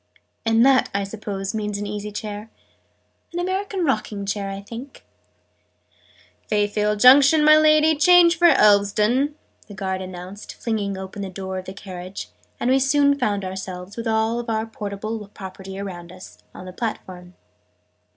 "And that, I suppose, means an easy chair?" "An American rocking chair, I think " "Fayfield Junction, my Lady, change for Elveston!" the guard announced, flinging open the door of the carriage: and we soon found ourselves, with all our portable property around us, on the platform.